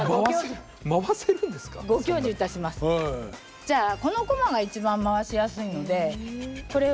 じゃあこのこまが一番回しやすいのでこれを。